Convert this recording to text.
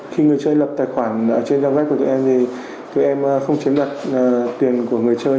khi người chơi lập tài khoản trên trang web của tụi em thì tụi em không chiếm đặt tiền của người chơi